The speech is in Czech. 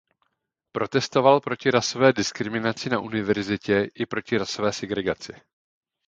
Protestoval proti rasové diskriminaci na univerzitě i proti rasové segregaci.